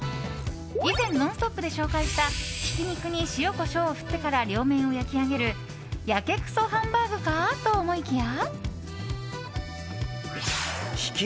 以前「ノンストップ！」で紹介したひき肉に塩、コショウを振ってから両面を焼き上げるやけくそハンバーグかと思いきや。